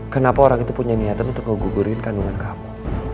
kenapa orang itu punya niatan untuk ngegugurin kandunganku